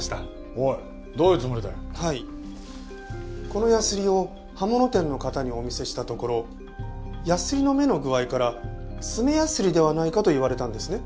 このヤスリを刃物店の方にお見せしたところヤスリの目の具合から爪ヤスリではないかと言われたんですね。